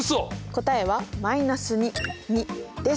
答えはです。